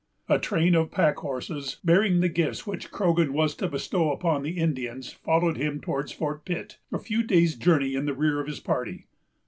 A train of pack horses, bearing the gifts which Croghan was to bestow upon the Indians, followed him towards Fort Pitt, a few days' journey in the rear of his party.